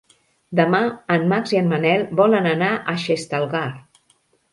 Demà en Max i en Manel volen anar a Xestalgar.